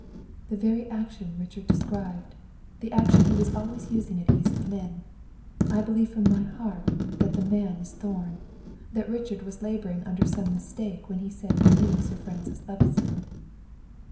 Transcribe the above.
"The very action Richard described! The action he was always using at East Lynne! I believe from my heart that the man is Thorn; that Richard was laboring under some mistake when he said he knew Sir Francis Levison."